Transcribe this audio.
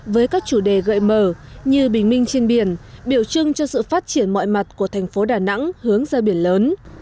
với các chủ đề gợi mở như bình minh trên biển biểu trưng cho sự phát triển mọi mặt của thành phố đà nẵng hướng ra biển lớn